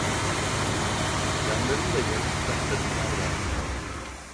Yanlarında yarı çıplak kadınlar vardı.